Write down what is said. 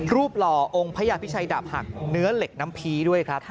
หล่อองค์พระยาพิชัยดาบหักเนื้อเหล็กน้ำพีด้วยครับ